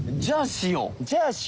じゃあしよう。